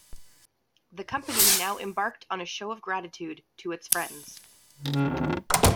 The company now embarked on a show of gratitude to its friends.